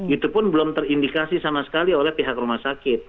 itu pun belum terindikasi sama sekali oleh pihak rumah sakit